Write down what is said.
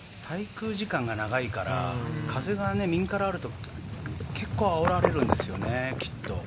これ滞空時間が長いから、風が右からあると、結構あおられるんですよね、きっと。